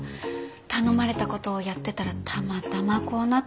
頼まれたことをやってたらたまたまこうなっただけで。